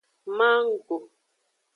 Manggo.